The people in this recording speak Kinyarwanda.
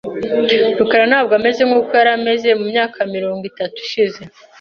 rukara ntabwo ameze nkuko yari ameze mu myaka mirongo itatu ishize .